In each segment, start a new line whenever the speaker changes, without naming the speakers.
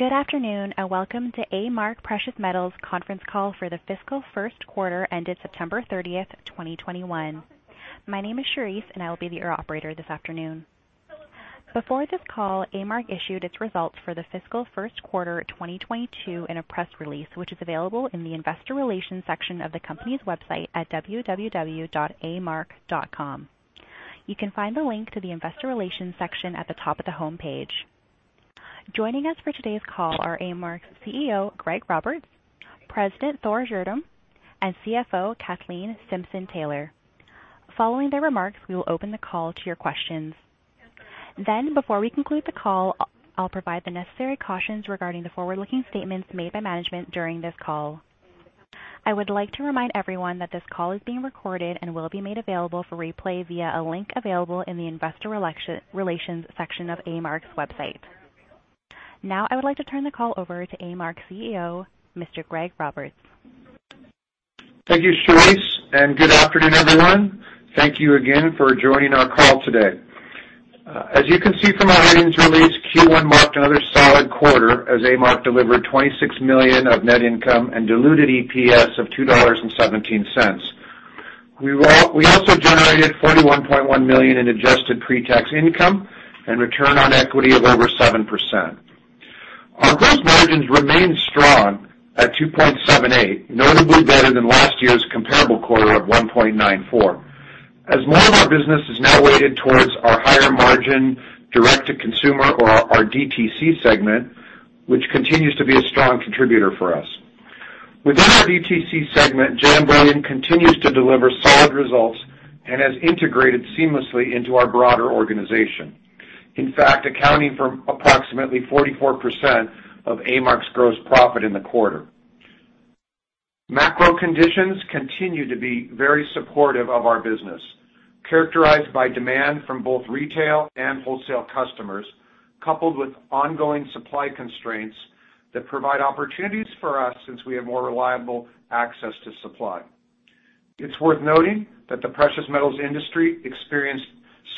Good afternoon, and welcome to A-Mark Precious Metals conference call for the fiscal first quarter ended September 30th, 2021. My name is Charisse, and I will be your operator this afternoon. Before this call, A-Mark issued its results for the fiscal first quarter, 2022 in a press release, which is available in the investor relations section of the company's website at www.amark.com. You can find the link to the investor relations section at the top of the homepage. Joining us for today's call are A-Mark's CEO, Greg Roberts, President Thor Gjerdrum, and CFO Kathleen Simpson-Taylor. Following their remarks, we will open the call to your questions. Before we conclude the call, I'll provide the necessary cautions regarding the forward-looking statements made by management during this call. I would like to remind everyone that this call is being recorded and will be made available for replay via a link available in the investor relations section of A-Mark's website. Now, I would like to turn the call over to A-Mark's CEO, Mr. Greg Roberts.
Thank you, Charisse. Good afternoon, everyone. Thank you again for joining our call today. As you can see from our earnings release, Q1 marked another solid quarter as A-Mark delivered $26 million of net income and diluted EPS of $2.17. We also generated $41.1 million in adjusted pre-tax income and return on equity of over 7%. Our gross margins remained strong at 2.78%, notably better than last year's comparable quarter of 1.94%. As more of our business is now weighted towards our higher margin direct-to-consumer or our DTC segment, which continues to be a strong contributor for us. Within our DTC segment, JM Bullion continues to deliver solid results and has integrated seamlessly into our broader organization. In fact, accounting for approximately 44% of A-Mark's gross profit in the quarter. Macro conditions continue to be very supportive of our business, characterized by demand from both retail and wholesale customers, coupled with ongoing supply constraints that provide opportunities for us since we have more reliable access to supply. It's worth noting that the precious metals industry experienced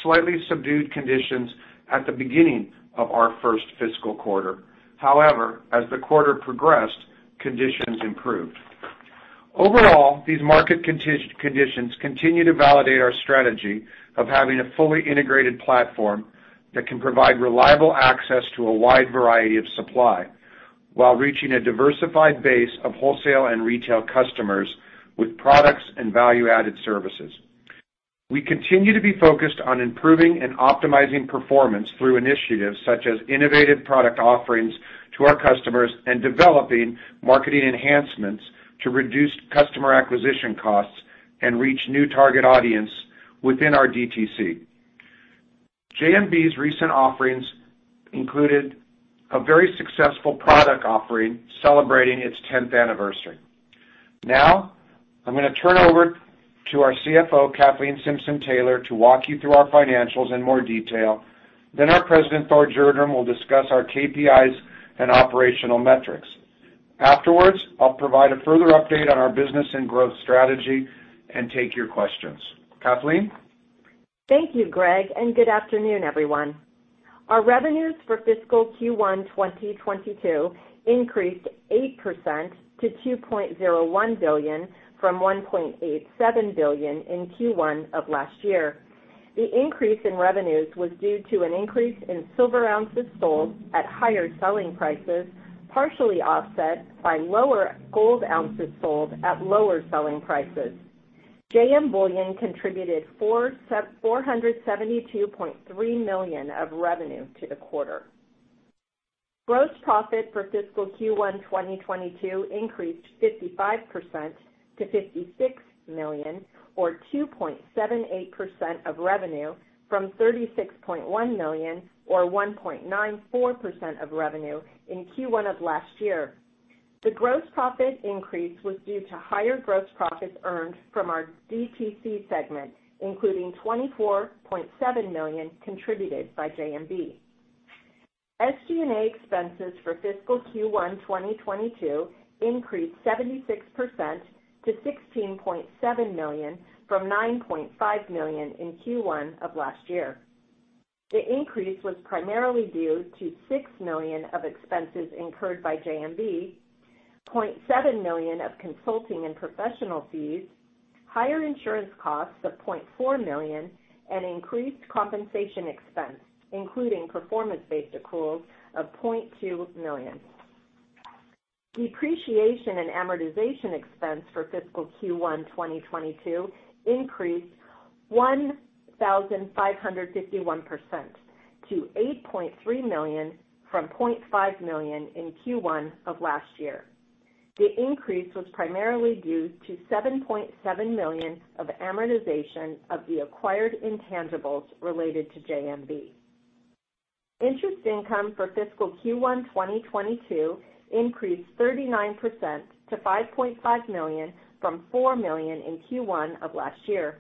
slightly subdued conditions at the beginning of our first fiscal quarter. However, as the quarter progressed, conditions improved. Overall, these market conditions continue to validate our strategy of having a fully integrated platform that can provide reliable access to a wide variety of supply while reaching a diversified base of wholesale and retail customers with products and value-added services. We continue to be focused on improving and optimizing performance through initiatives such as innovative product offerings to our customers and developing marketing enhancements to reduce customer acquisition costs and reach new target audience within our DTC. JMB's recent offerings included a very successful product offering celebrating its 10th anniversary. Now, I'm gonna turn it over to our CFO, Kathleen Simpson-Taylor, to walk you through our financials in more detail. Our President, Thor Gjerdrum, will discuss our KPIs and operational metrics. Afterwards, I'll provide a further update on our business and growth strategy and take your questions. Kathleen?
Thank you, Greg, and good afternoon, everyone. Our revenues for fiscal Q1, 2022 increased 8% to $2.01 billion from $1.87 billion in Q1 of last year. The increase in revenues was due to an increase in silver ounces sold at higher selling prices, partially offset by lower gold ounces sold at lower selling prices. JM Bullion contributed $472.3 million of revenue to the quarter. Gross profit for fiscal Q1, 2022 increased 55% to $56 million or 2.78% of revenue from $36.1 million or 1.94% of revenue in Q1 of last year. The gross profit increase was due to higher gross profits earned from our DTC segment, including $24.7 million contributed by JMB. SG&A expenses for fiscal Q1, 2022 increased 76% to $16.7 million from $9.5 million in Q1 of last year. The increase was primarily due to $6 million of expenses incurred by JMB, $0.7 million of consulting and professional fees, higher insurance costs of $0.4 million, and increased compensation expense, including performance-based accruals of $0.2 million. Depreciation and amortization expense for fiscal Q1, 2022 increased 1,551% to $8.3 million from $0.5 million in Q1 of last year. The increase was primarily due to $7.7 million of amortization of the acquired intangibles related to JMB. Interest income for fiscal Q1, 2022 increased 39% to $5.5 million from $4 million in Q1 of last year.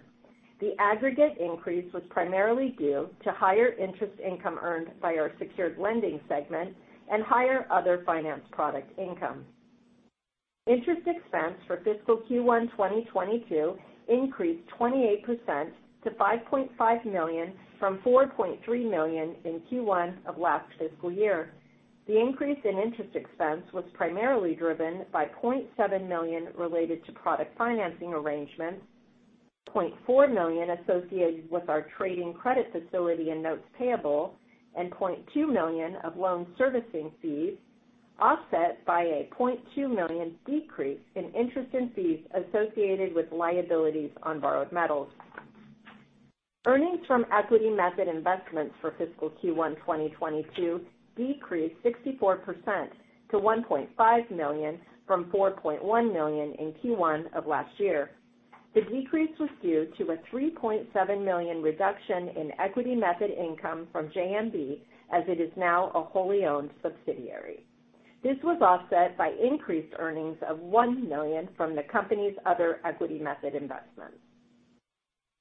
The aggregate increase was primarily due to higher interest income earned by our secured lending segment and higher other finance product income. Interest expense for fiscal Q1 2022 increased 28% to $5.5 million, from $4.3 million in Q1 of last fiscal year. The increase in interest expense was primarily driven by $0.7 million related to product financing arrangements, $0.4 million associated with our trading credit facility and notes payable, and $0.2 million of loan servicing fees, offset by a $0.2 million decrease in interest and fees associated with liabilities on borrowed metals. Earnings from equity method investments for fiscal Q1 2022 decreased 64% to $1.5 million, from $4.1 million in Q1 of last year. The decrease was due to a $3.7 million reduction in equity method income from JMB, as it is now a wholly owned subsidiary. This was offset by increased earnings of $1 million from the company's other equity method investments.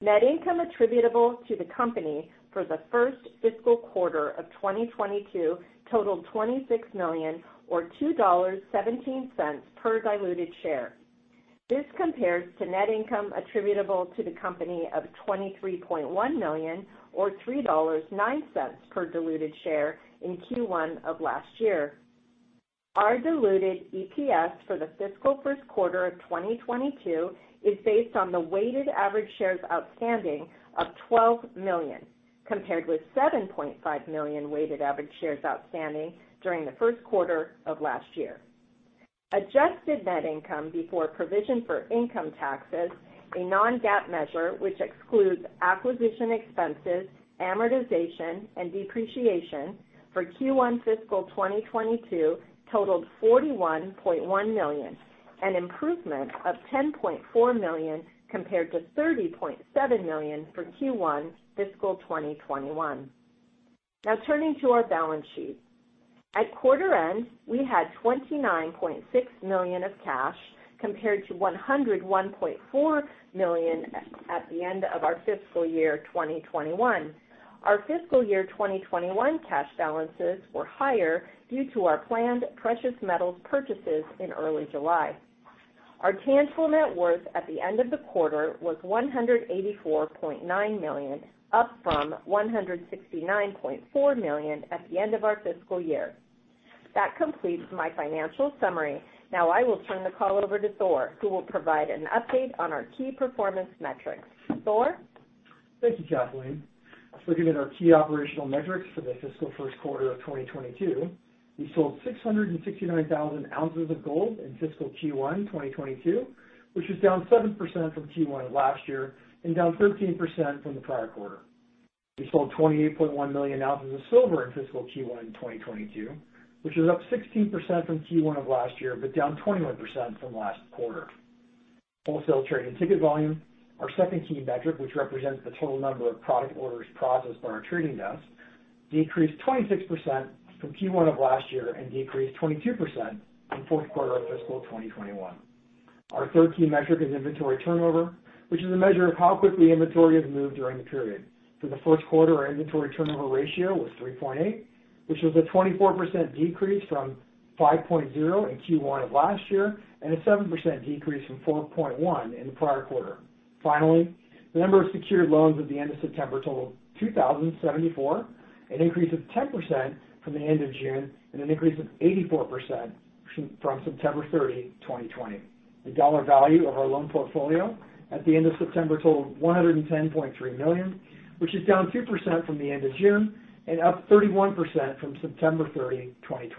Net income attributable to the company for the first fiscal quarter of 2022 totaled $26 million, or $2.17 per diluted share. This compares to net income attributable to the company of $23.1 million, or $3.09 per diluted share in Q1 of last year. Our diluted EPS for the fiscal first quarter of 2022 is based on the weighted average shares outstanding of 12 million, compared with 7.5 million weighted average shares outstanding during the first quarter of last year. Adjusted net income before provision for income taxes, a non-GAAP measure which excludes acquisition expenses, amortization, and depreciation for Q1 fiscal 2022 totaled $41.1 million, an improvement of $10.4 million compared to $30.7 million for Q1 fiscal 2021. Now turning to our balance sheet. At quarter end, we had $29.6 million of cash, compared to $101.4 million at the end of our fiscal year 2021. Our fiscal year 2021 cash balances were higher due to our planned precious metals purchases in early July. Our tangible net worth at the end of the quarter was $184.9 million, up from $169.4 million at the end of our fiscal year. That completes my financial summary. Now I will turn the call over to Thor, who will provide an update on our key performance metrics. Thor?
Thank you, Kathleen. Looking at our key operational metrics for the fiscal first quarter of 2022, we sold 669,000 ounces of gold in fiscal Q1 2022, which is down 7% from Q1 of last year and down 13% from the prior quarter. We sold 28.1 million ounces of silver in fiscal Q1 2022, which is up 16% from Q1 of last year, but down 21% from last quarter. Wholesale trading ticket volume, our second key metric, which represents the total number of product orders processed by our trading desk, decreased 26% from Q1 of last year and decreased 22% from fourth quarter of fiscal 2021. Our third key metric is inventory turnover, which is a measure of how quickly inventory has moved during the period. For the first quarter, our inventory turnover ratio was 3.8, which was a 24% decrease from 5.0 in Q1 of last year, and a 7% decrease from 4.1 in the prior quarter. Finally, the number of secured loans at the end of September totaled 2,074, an increase of 10% from the end of June, and an increase of 84% from September 30, 2020. The dollar value of our loan portfolio at the end of September totaled $110.3 million, which is down 2% from the end of June, and up 31% from September 30, 2020.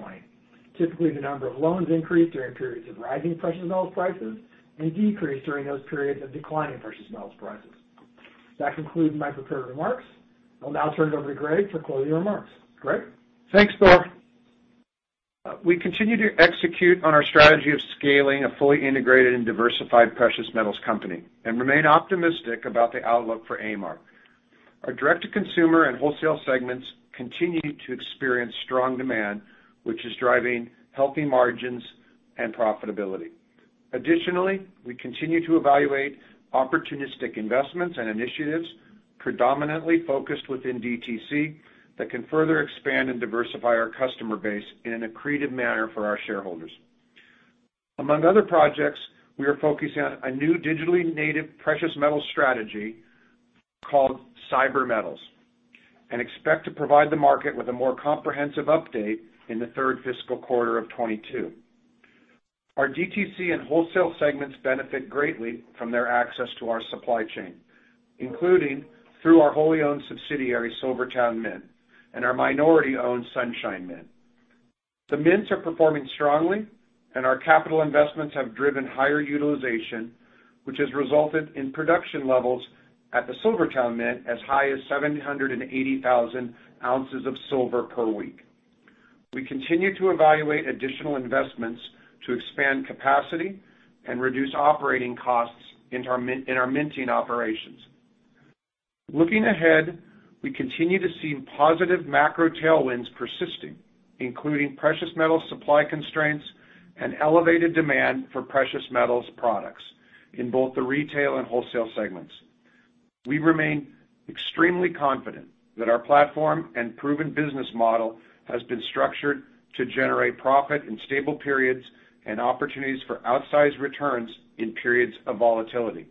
Typically, the number of loans increase during periods of rising precious metals prices and decrease during those periods of declining precious metals prices. That concludes my prepared remarks. I'll now turn it over to Greg for closing remarks. Greg?
Thanks, Thor. We continue to execute on our strategy of scaling a fully integrated and diversified precious metals company, and remain optimistic about the outlook for A-Mark. Our direct-to-consumer and wholesale segments continue to experience strong demand, which is driving healthy margins and profitability. Additionally, we continue to evaluate opportunistic investments and initiatives predominantly focused within DTC that can further expand and diversify our customer base in an accretive manner for our shareholders. Among other projects, we are focusing on a new digitally native precious metal strategy called CyberMetals, and expect to provide the market with a more comprehensive update in the third fiscal quarter of 2022. Our DTC and wholesale segments benefit greatly from their access to our supply chain, including through our wholly owned subsidiary, Silver Towne Mint, and our minority-owned Sunshine Minting. The mints are performing strongly, and our capital investments have driven higher utilization, which has resulted in production levels at the Silver Towne Mint as high as 780,000 ounces of silver per week. We continue to evaluate additional investments to expand capacity and reduce operating costs in our minting operations. Looking ahead, we continue to see positive macro tailwinds persisting, including precious metal supply constraints and elevated demand for precious metals products in both the retail and wholesale segments. We remain extremely confident that our platform and proven business model has been structured to generate profit in stable periods and opportunities for outsized returns in periods of volatility,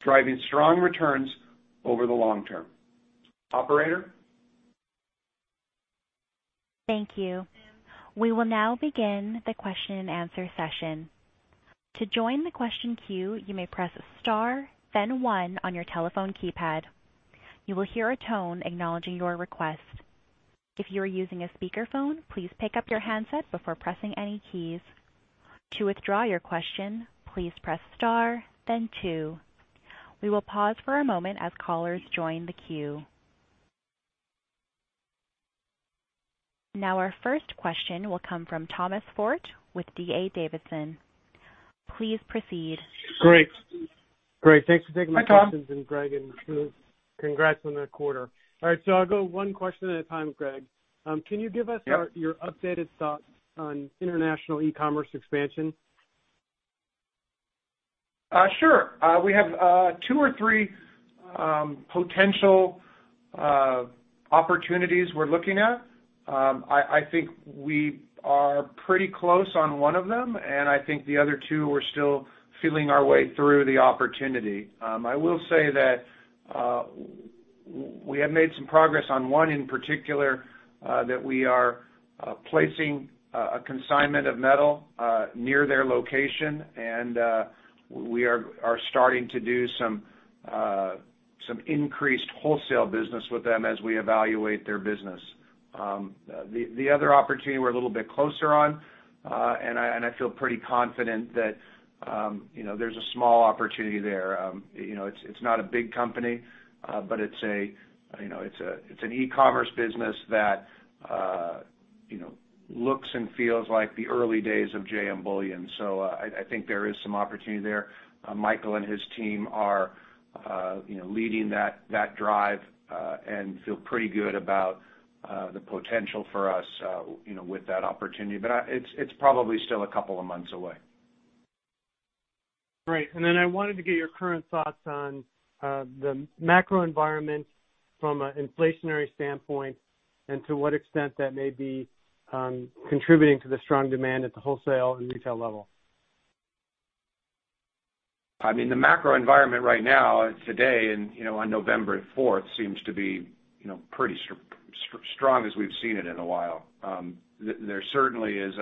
driving strong returns over the long term. Operator?
Thank you. We will now begin the question-and-answer session. To join the question queue, you may press star then one on your telephone keypad. You will hear a tone acknowledging your request. If you are using a speakerphone, please pick up your handset before pressing any keys. To withdraw your question, please press star then two. We will pause for a moment as callers join the queue. Now our first question will come from Thomas Forte with D.A. Davidson. Please proceed.
Great. Thanks for taking my questions.
Hi, Tom.
Greg, and congrats on that quarter. All right. I'll go one question at a time with Greg. Can you give us your updated thoughts on international e-commerce expansion?
Sure. We have two or three potential opportunities we're looking at. I think we are pretty close on one of them, and I think the other two, we're still feeling our way through the opportunity. I will say that we have made some progress on one in particular that we are placing a consignment of metal near their location, and we are starting to do some increased wholesale business with them as we evaluate their business. The other opportunity we're a little bit closer on, and I feel pretty confident that, you know, there's a small opportunity there. You know, it's not a big company, but it's an e-commerce business that you know looks and feels like the early days of JM Bullion. I think there is some opportunity there. Michael and his team are you know leading that drive and feel pretty good about the potential for us you know with that opportunity. It's probably still a couple of months away.
Great. I wanted to get your current thoughts on the macro environment from an inflationary standpoint and to what extent that may be contributing to the strong demand at the wholesale and retail level?
I mean, the macro environment right now today and, you know, on November fourth seems to be, you know, pretty strong as we've seen it in a while. There certainly is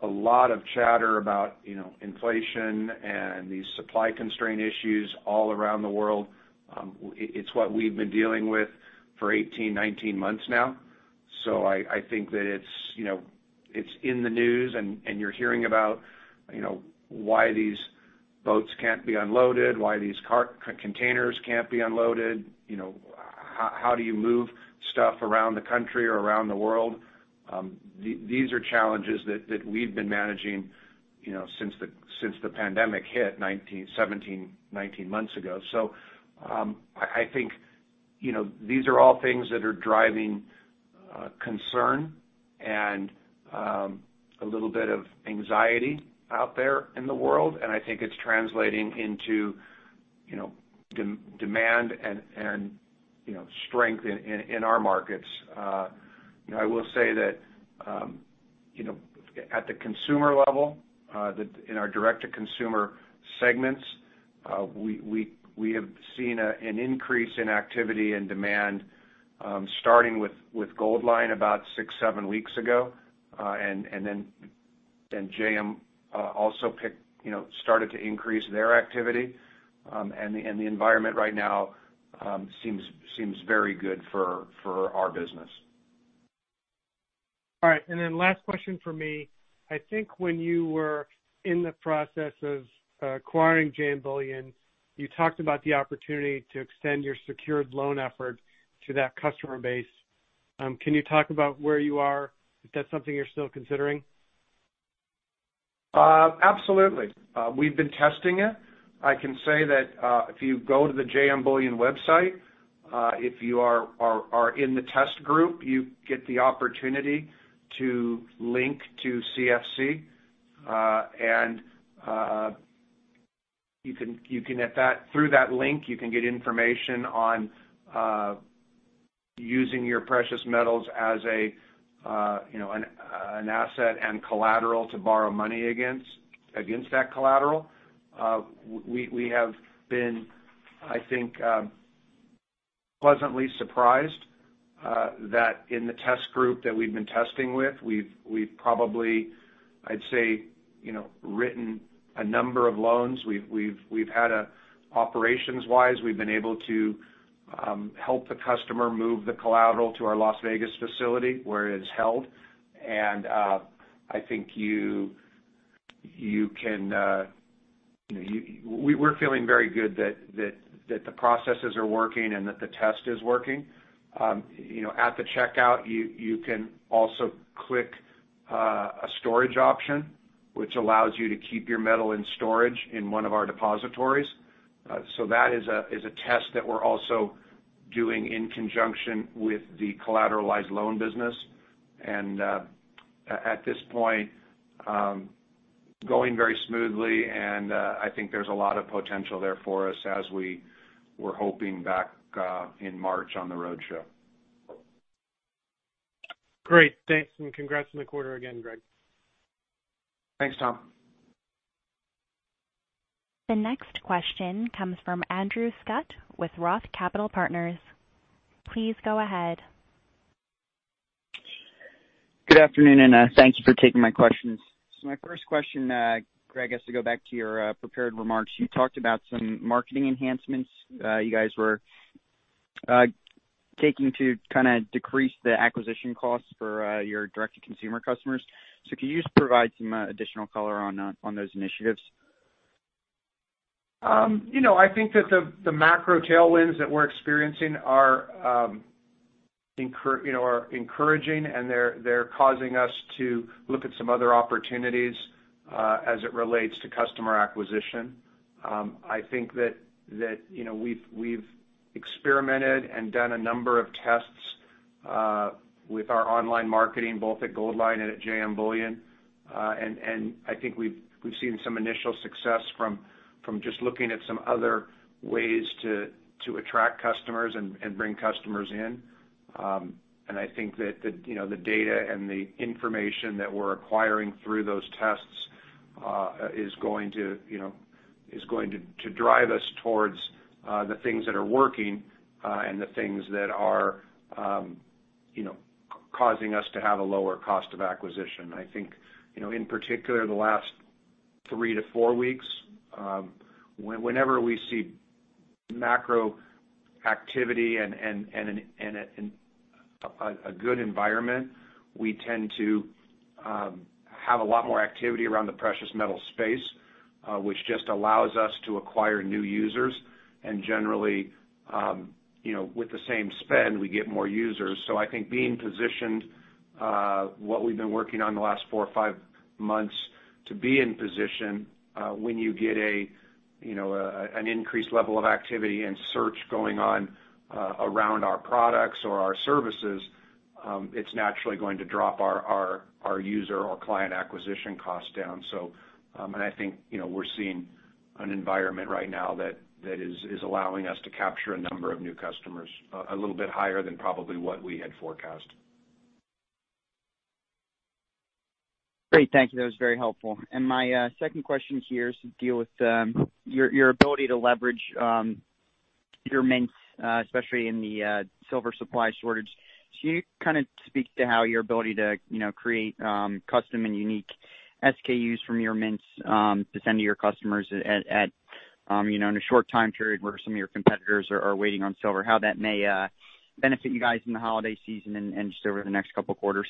a lot of chatter about, you know, inflation and these supply constraint issues all around the world. It's what we've been dealing with for 18, 19 months now. I think that it's, you know, it's in the news and you're hearing about, you know, why these boats can't be unloaded, why these containers can't be unloaded. You know, how do you move stuff around the country or around the world? These are challenges that we've been managing, you know, since the pandemic hit 19, 17, 19 months ago. I think, you know, these are all things that are driving concern and a little bit of anxiety out there in the world, and I think it's translating into, you know, demand and, you know, strength in our markets. You know, I will say that, you know, at the consumer level, in our direct-to-consumer segments, we have seen an increase in activity and demand, starting with Goldline about six to seven weeks ago. Then JM also started to increase their activity. The environment right now seems very good for our business.
All right. Last question for me. I think when you were in the process of acquiring JM Bullion, you talked about the opportunity to extend your secured loan effort to that customer base. Can you talk about where you are? Is that something you're still considering?
Absolutely. We've been testing it. I can say that, if you go to the JM Bullion website, if you are in the test group, you get the opportunity to link to CFC, and you can, through that link, you can get information on using your precious metals as, you know, an asset and collateral to borrow money against that collateral. We have been, I think, pleasantly surprised that in the test group that we've been testing with, we've had operations-wise, we've been able to help the customer move the collateral to our Las Vegas facility where it is held. I think you can. We're feeling very good that the processes are working and that the test is working. You know, at the checkout, you can also click a storage option, which allows you to keep your metal in storage in one of our depositories. So that is a test that we're also doing in conjunction with the collateralized loan business. At this point, going very smoothly, and I think there's a lot of potential there for us as we were hoping back in March on the roadshow.
Great. Thanks. Congrats on the quarter again, Greg.
Thanks, Tom.
The next question comes from Andrew Scutt with Roth Capital Partners. Please go ahead.
Good afternoon, thank you for taking my questions. My first question, Greg, has to go back to your prepared remarks. You talked about some marketing enhancements you guys were taking to kind of decrease the acquisition costs for your direct-to-consumer customers. Can you just provide some additional color on those initiatives?
You know, I think that the macro tailwinds that we're experiencing are encouraging, and they're causing us to look at some other opportunities as it relates to customer acquisition. I think that you know, we've experimented and done a number of tests with our online marketing, both at Goldline and at JM Bullion. I think we've seen some initial success from just looking at some other ways to attract customers and bring customers in. I think that the data and the information that we're acquiring through those tests is going to drive us towards the things that are working and the things that are causing us to have a lower cost of acquisition. I think, you know, in particular, the last three to four weeks, whenever we see macro activity and a good environment, we tend to have a lot more activity around the precious metal space, which just allows us to acquire new users. Generally, you know, with the same spend, we get more users. I think being positioned, what we've been working on the last four or five months to be in position, when you get, you know, an increased level of activity and search going on, around our products or our services, it's naturally going to drop our user or client acquisition costs down. I think, you know, we're seeing an environment right now that is allowing us to capture a number of new customers, a little bit higher than probably what we had forecast.
Great. Thank you. That was very helpful. My second question here is to deal with your ability to leverage your mints, especially in the silver supply shortage. You kind of speak to how your ability to, you know, create custom and unique SKUs from your mints to send to your customers at you know in a short time period where some of your competitors are waiting on silver, how that may benefit you guys in the holiday season and just over the next couple quarters.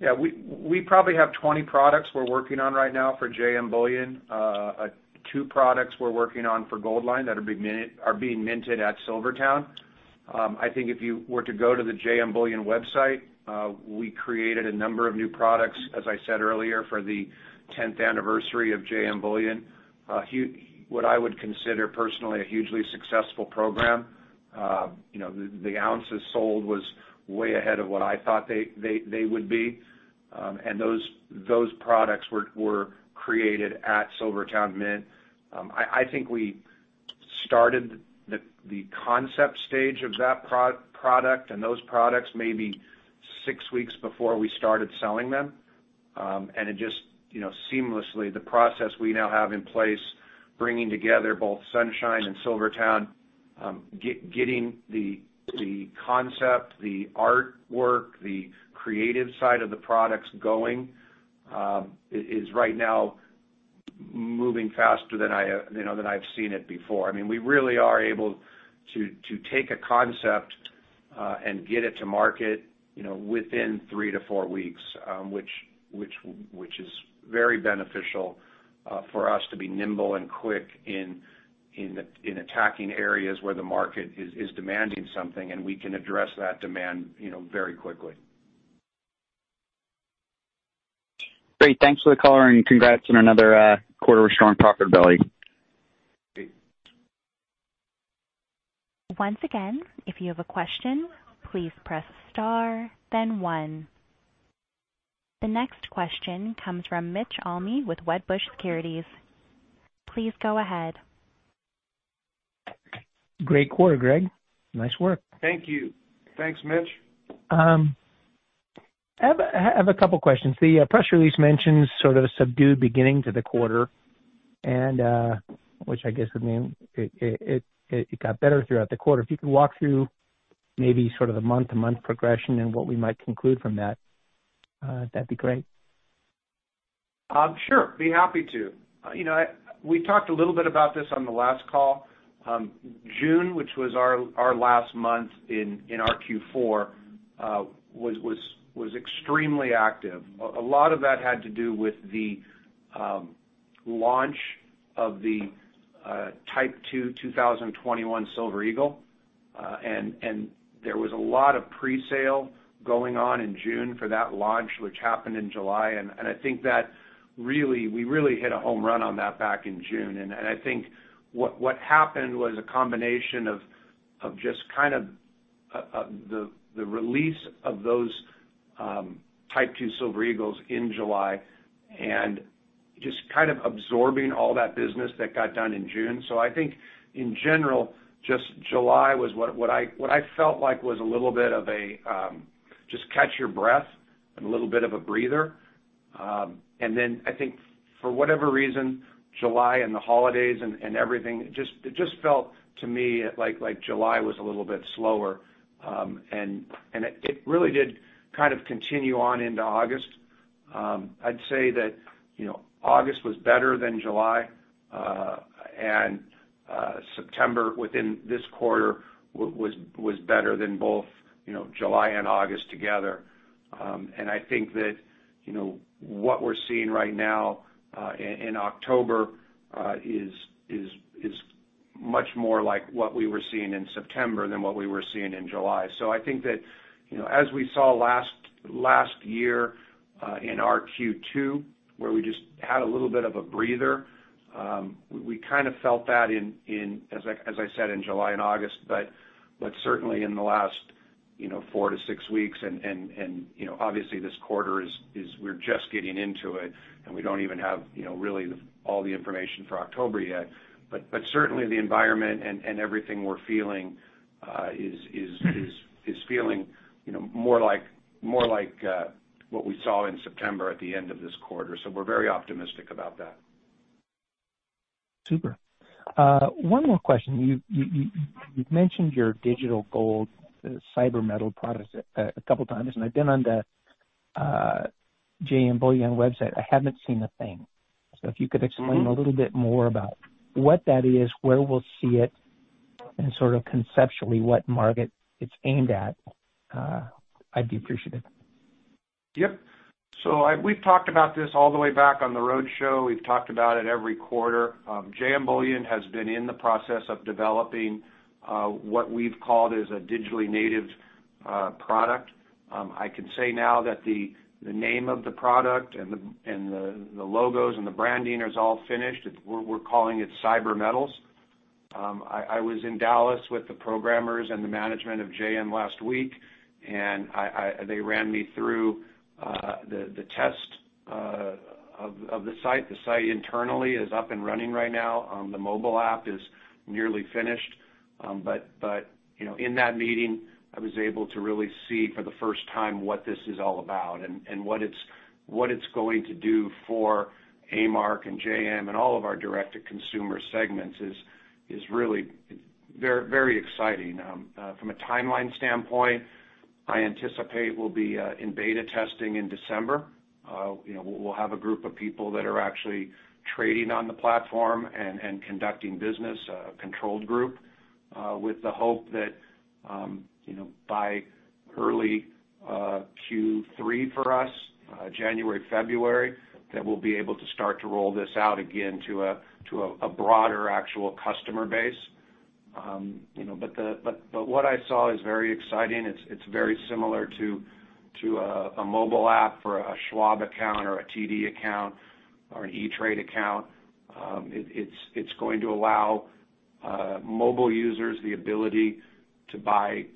Yeah, we probably have 20 products we're working on right now for JM Bullion. Two products we're working on for Goldline that are being minted at Silver Towne. I think if you were to go to the JM Bullion website, we created a number of new products, as I said earlier, for the 10th anniversary of JM Bullion, what I would consider personally a hugely successful program. You know, the ounces sold was way ahead of what I thought they would be. Those products were created at Silver Towne Mint. I think we started the concept stage of that product and those products maybe 6 weeks before we started selling them. It just, you know, seamlessly, the process we now have in place, bringing together both Sunshine and Silver Towne, getting the concept, the artwork, the creative side of the products going, is right now moving faster than I, you know, than I've seen it before. I mean, we really are able to take a concept and get it to market, you know, within three to four weeks, which is very beneficial for us to be nimble and quick in attacking areas where the market is demanding something, and we can address that demand, you know, very quickly.
Great. Thanks for the color and congrats on another quarter of strong profitability.
Great.
Once again, if you have a question, please press star then one. The next question comes from Mitch Almy with Wedbush Securities. Please go ahead.
Great quarter, Greg. Nice work.
Thank you. Thanks, Mitch.
I have a couple questions. The press release mentions sort of a subdued beginning to the quarter, and which I guess would mean it got better throughout the quarter. If you could walk through maybe sort of the month-to-month progression and what we might conclude from that'd be great.
Sure. Be happy to. You know, we talked a little bit about this on the last call. June, which was our last month in our Q4, was extremely active. A lot of that had to do with the launch of the Type 2 2021 Silver Eagle. There was a lot of presale going on in June for that launch, which happened in July. I think that really, we really hit a home run on that back in June. I think what happened was a combination of the release of those Type 2 Silver Eagles in July and just kind of absorbing all that business that got done in June. I think in general, just July was what I felt like was a little bit of a just catch your breath and a little bit of a breather. I think for whatever reason, July and the holidays and everything, it just felt to me like July was a little bit slower, and it really did kind of continue on into August. I'd say that, you know, August was better than July, and September within this quarter was better than both, you know, July and August together. I think that, you know, what we're seeing right now in October is much more like what we were seeing in September than what we were seeing in July. I think that, you know, as we saw last year in our Q2, where we just had a little bit of a breather, we kind of felt that, as I said, in July and August. Certainly in the last, you know, four to six weeks and, you know, obviously this quarter, we're just getting into it, and we don't even have, you know, really all the information for October yet. Certainly the environment and everything we're feeling is feeling, you know, more like what we saw in September at the end of this quarter, so we're very optimistic about that.
Super. One more question. You've mentioned your digital gold, the CyberMetals products a couple times, and I've been on the JM Bullion website. I haven't seen a thing. If you could explain a little bit more about what that is, where we'll see it, and sort of conceptually, what market it's aimed at, I'd be appreciative.
Yep. We've talked about this all the way back on the roadshow. We've talked about it every quarter. JM Bullion has been in the process of developing what we've called as a digitally native product. I can say now that the name of the product and the logos and the branding is all finished. We're calling it CyberMetals. I was in Dallas with the programmers and the management of JM last week, and they ran me through the test of the site. The site internally is up and running right now. The mobile app is nearly finished. You know, in that meeting, I was able to really see for the first time what this is all about and what it's going to do for A-Mark and JM and all of our direct-to-consumer segments is really very exciting. From a timeline standpoint, I anticipate we'll be in beta testing in December. You know, we'll have a group of people that are actually trading on the platform and conducting business, a controlled group, with the hope that, you know, by early Q3 for us, January, February, that we'll be able to start to roll this out again to a broader actual customer base. You know, what I saw is very exciting. It's very similar to a mobile app for a Schwab account or a TD account or an E*TRADE account. It's going to allow mobile users the ability to buy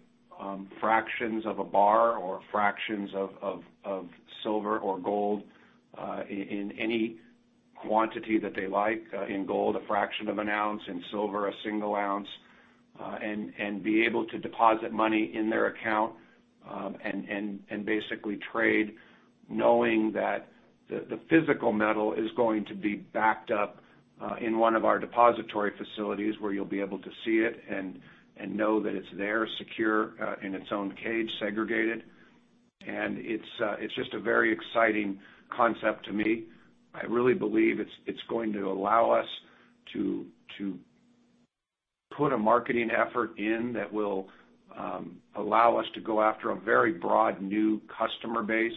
fractions of a bar or fractions of silver or gold in any quantity that they like. In gold, a fraction of an ounce. In silver, a single ounce. Basically trade knowing that the physical metal is going to be backed up in one of our depository facilities where you'll be able to see it and know that it's there, secure, in its own cage, segregated. It's just a very exciting concept to me. I really believe it's going to allow us to put a marketing effort in that will allow us to go after a very broad new customer base,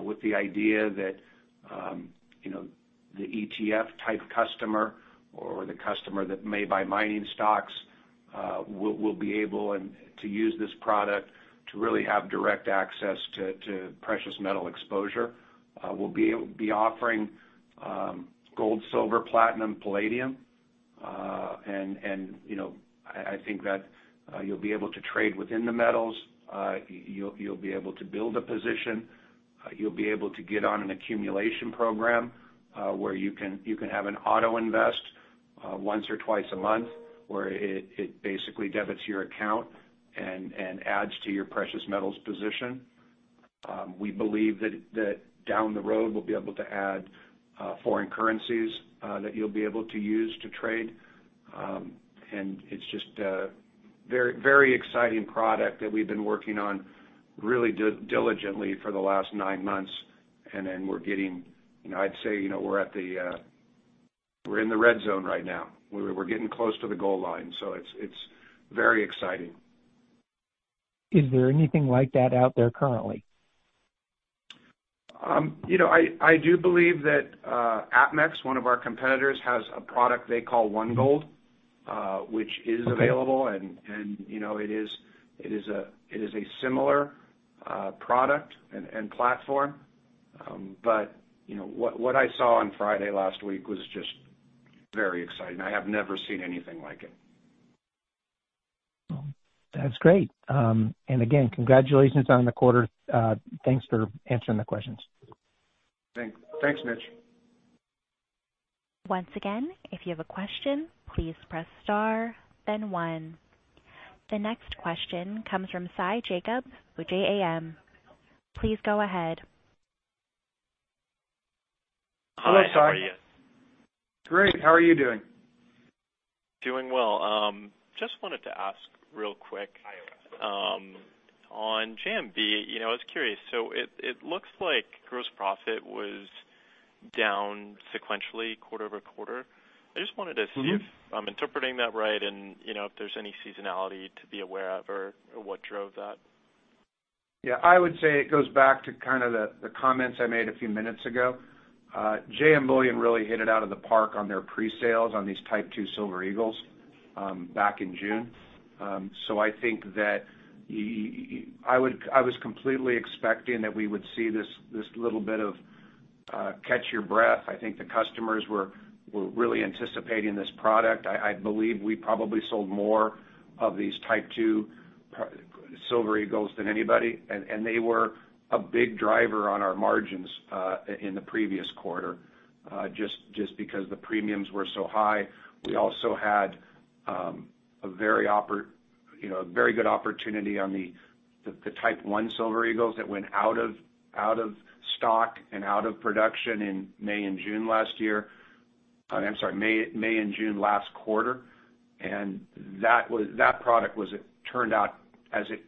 with the idea that, you know, the ETF-type customer or the customer that may buy mining stocks, will be able to use this product to really have direct access to precious metal exposure. We'll be offering gold, silver, platinum, palladium. You know, I think that you'll be able to trade within the metals. You'll be able to build a position. You'll be able to get on an accumulation program, where you can have an auto invest, once or twice a month, where it basically debits your account and adds to your precious metals position. We believe that down the road, we'll be able to add foreign currencies that you'll be able to use to trade. It's just a very, very exciting product that we've been working on really diligently for the last nine months. You know, I'd say, you know, we're at the, we're in the red zone right now. We're getting close to the goal line, so it's very exciting.
Is there anything like that out there currently?
You know, I do believe that APMEX, one of our competitors, has a product they call OneGold, which is available and, you know, it is a similar product and platform. You know, what I saw on Friday last week was just very exciting. I have never seen anything like it.
Well, that's great. Again, congratulations on the quarter. Thanks for answering the questions.
Thanks, Mitch.
Once again, if you have a question, please press star then one. The next question comes from Sy Jacobs with JAM. Please go ahead.
Hello, Sy.
Hi, how are you?
Great. How are you doing?
Doing well. Just wanted to ask real quick, on JMB, you know, I was curious. It looks like gross profit was down sequentially quarter-over-quarter. I just wanted to see If I'm interpreting that right and, you know, if there's any seasonality to be aware of or what drove that.
Yeah, I would say it goes back to kind of the comments I made a few minutes ago. JM Bullion really hit it out of the park on their pre-sales on these Type 2 Silver Eagles back in June. So I think that I was completely expecting that we would see this little bit of catch your breath. I think the customers were really anticipating this product. I believe we probably sold more of these Type 2 Silver Eagles than anybody, and they were a big driver on our margins in the previous quarter just because the premiums were so high. We also had a very opport You know, a very good opportunity on the Type 1 Silver Eagles that went out of stock and out of production in May and June last year. I'm sorry, May and June last quarter. That product turned out, as it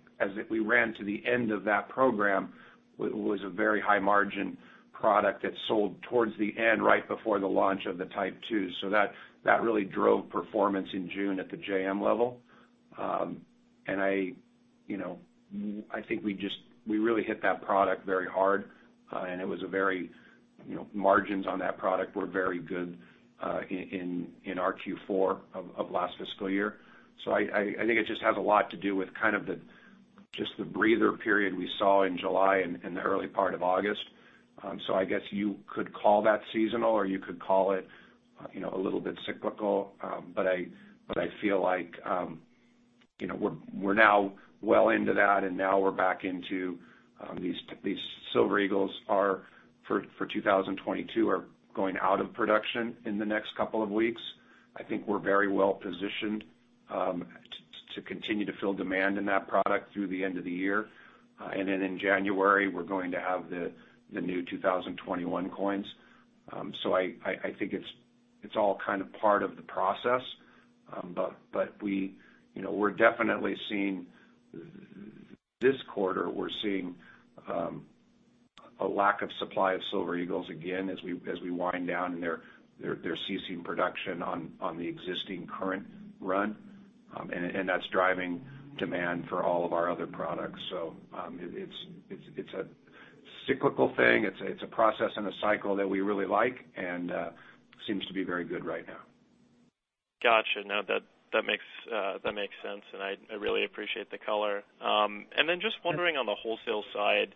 we ran to the end of that program, was a very high margin product that sold towards the end right before the launch of the Type 2. That really drove performance in June at the JM level. I, you know, I think we just we really hit that product very hard. It was a very, you know. Margins on that product were very good, in our Q4 of last fiscal year. I think it just has a lot to do with kind of the breather period we saw in July and the early part of August. I guess you could call that seasonal, or you could call it, you know, a little bit cyclical. I feel like, you know, we're now well into that, and now we're back into these Silver Eagles for 2022 are going out of production in the next couple of weeks. I think we're very well positioned to continue to fill demand in that product through the end of the year. In January, we're going to have the new 2021 coins. I think it's all kind of part of the process. This quarter, we're seeing a lack of supply of Silver Eagles again as we wind down, and they're ceasing production on the existing current run. That's driving demand for all of our other products. It's a cyclical thing. It's a process and a cycle that we really like and seems to be very good right now.
Gotcha. No, that makes sense, and I really appreciate the color. Just wondering on the wholesale side,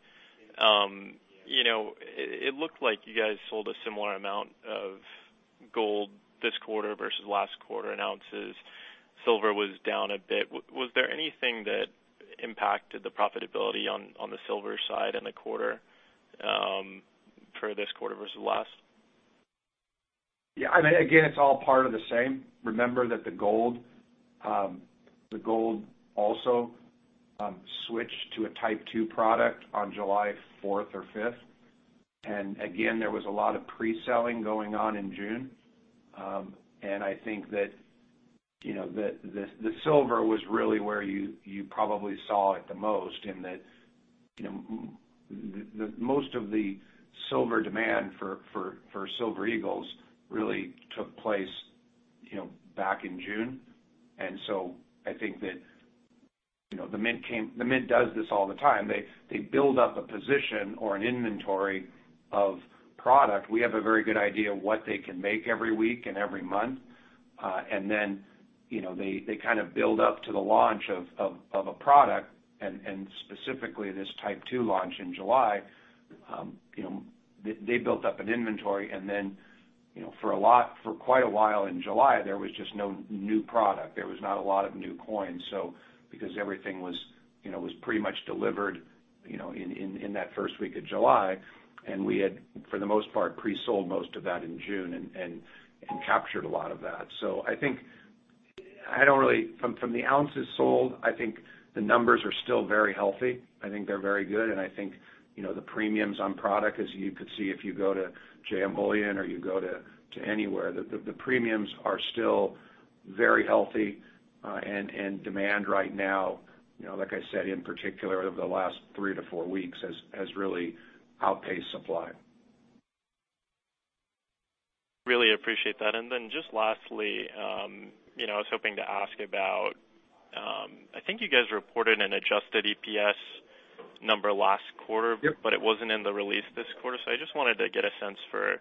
you know, it looked like you guys sold a similar amount of gold this quarter versus last quarter in ounces. Silver was down a bit. Was there anything that impacted the profitability on the silver side in the quarter for this quarter versus last?
Yeah. I mean, again, it's all part of the same. Remember that the gold also switched to a Type Two product on July 4th or 5th. Again, there was a lot of pre-selling going on in June. I think that, you know, the silver was really where you probably saw it the most in that, you know, most of the silver demand for Silver Eagles really took place, you know, back in June. I think that, you know, the mint does this all the time. They build up a position or an inventory of product. We have a very good idea of what they can make every week and every month, and then they kind of build up to the launch of a product and specifically this Type 2 launch in July. They built up an inventory and then for quite a while in July, there was just no new product. There was not a lot of new coins, so because everything was pretty much delivered in that first week of July. We had, for the most part, pre-sold most of that in June and captured a lot of that. I think from the ounces sold, the numbers are still very healthy. I think they're very good, and I think, you know, the premiums on product, as you could see if you go to JM Bullion or you go to anywhere, the premiums are still very healthy, and demand right now, you know, like I said, in particular over the last three to four weeks has really outpaced supply.
Really appreciate that. Just lastly, you know, I was hoping to ask about, I think you guys reported an adjusted EPS number last quarter it wasn't in the release this quarter. I just wanted to get a sense for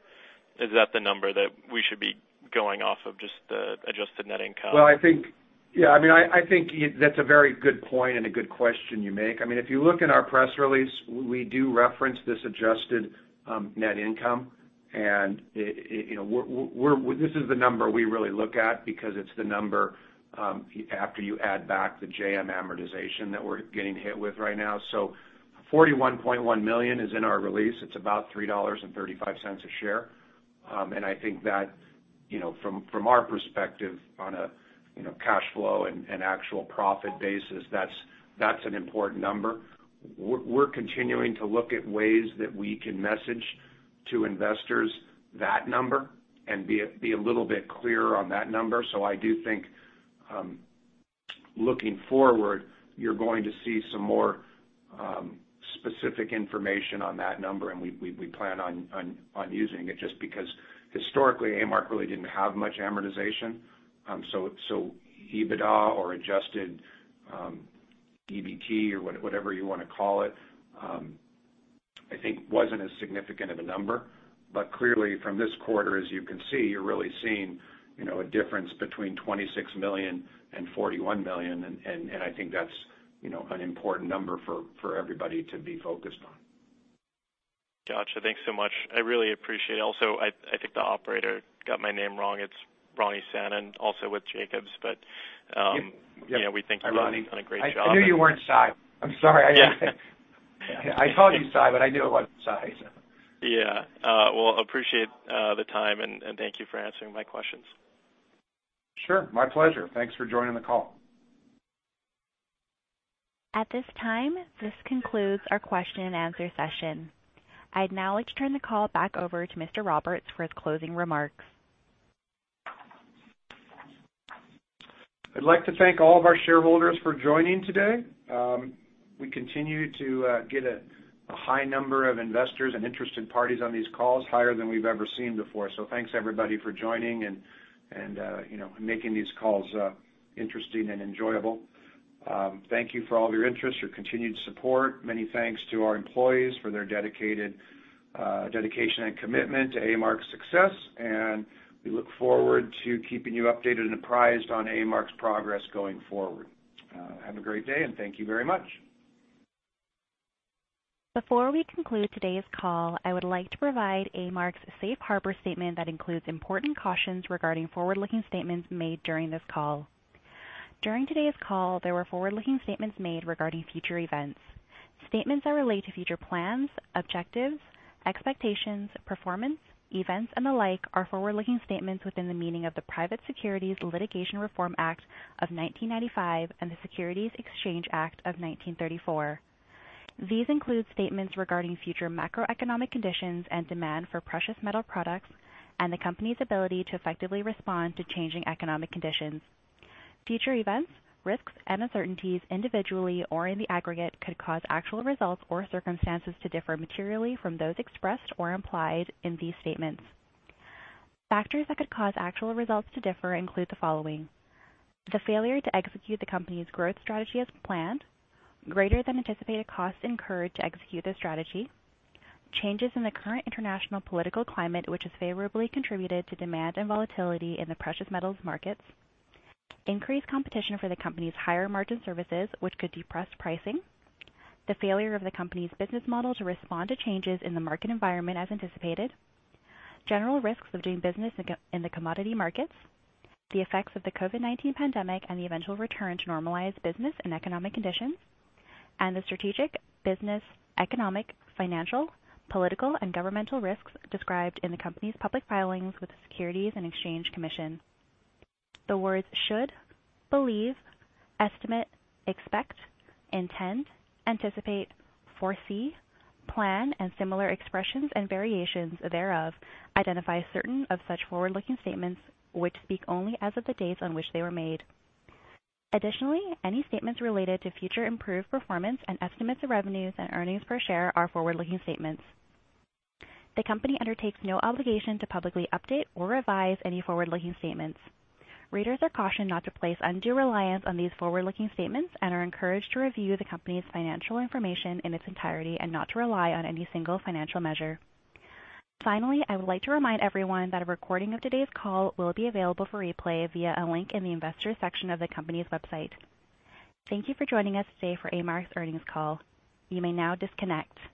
is that the number that we should be going off of just the adjusted net income?
Well, I think yeah, I mean, I think that's a very good point and a good question you make. I mean, if you look in our press release, we do reference this adjusted net income. You know, this is the number we really look at because it's the number after you add back the JM amortization that we're getting hit with right now. $41.1 million is in our release. It's about $3.35 a share. I think that, you know, from our perspective on a, you know, cash flow and actual profit basis, that's an important number. We're continuing to look at ways that we can message to investors that number and be a little bit clearer on that number. I do think looking forward, you're going to see some more specific information on that number and we plan on using it just because historically, A-Mark really didn't have much amortization. EBITDA or adjusted EBT or whatever you wanna call it I think wasn't as significant of a number. Clearly from this quarter, as you can see, you're really seeing, you know, a difference between $26 million and $41 million, and I think that's, you know, an important number for everybody to be focused on.
Gotcha. Thanks so much. I really appreciate. Also, I think the operator got my name wrong. It's Ronick Sanon, also with Jacobs.
Yep.
You know, we think you've really done a great job.
I knew you weren't Sy. I'm sorry.
Yeah.
I called you Sy, but I knew it wasn't Sy.
Yeah. Well, I appreciate the time, and thank you for answering my questions.
Sure. My pleasure. Thanks for joining the call.
At this time, this concludes our question and answer session. I'd now like to turn the call back over to Mr. Roberts for his closing remarks.
I'd like to thank all of our shareholders for joining today. We continue to get a high number of investors and interested parties on these calls, higher than we've ever seen before. Thanks everybody for joining and you know, making these calls interesting and enjoyable. Thank you for all of your interest, your continued support. Many thanks to our employees for their dedicated dedication and commitment to A-Mark's success. We look forward to keeping you updated and apprised on A-Mark's progress going forward. Have a great day, and thank you very much.
Before we conclude today's call, I would like to provide A-Mark's Safe Harbor statement that includes important cautions regarding forward-looking statements made during this call. During today's call, there were forward-looking statements made regarding future events. Statements that relate to future plans, objectives, expectations, performance, events, and the like are forward-looking statements within the meaning of the Private Securities Litigation Reform Act of 1995 and the Securities Exchange Act of 1934. These include statements regarding future macroeconomic conditions and demand for precious metal products and the company's ability to effectively respond to changing economic conditions. Future events, risks, and uncertainties individually or in the aggregate could cause actual results or circumstances to differ materially from those expressed or implied in these statements. Factors that could cause actual results to differ include the following. The failure to execute the company's growth strategy as planned, greater than anticipated costs incurred to execute this strategy, changes in the current international political climate which has favorably contributed to demand and volatility in the precious metals markets, increased competition for the company's higher margin services which could depress pricing, the failure of the company's business model to respond to changes in the market environment as anticipated, general risks of doing business in the commodity markets, the effects of the COVID-19 pandemic and the eventual return to normalized business and economic conditions, and the strategic business, economic, financial, political, and governmental risks described in the company's public filings with the Securities and Exchange Commission. The words should, believe, estimate, expect, intend, anticipate, foresee, plan, and similar expressions and variations thereof identify certain of such forward-looking statements which speak only as of the dates on which they were made. Additionally, any statements related to future improved performance and estimates of revenues and earnings per share are forward-looking statements. The company undertakes no obligation to publicly update or revise any forward-looking statements. Readers are cautioned not to place undue reliance on these forward-looking statements and are encouraged to review the company's financial information in its entirety and not to rely on any single financial measure. Finally, I would like to remind everyone that a recording of today's call will be available for replay via a link in the Investors section of the company's website. Thank you for joining us today for A-Mar's earnings call. You may now disconnect.